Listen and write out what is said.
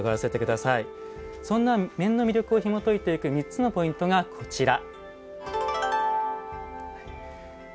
そんな面の魅力をひもといていく３つのポイントがこちら。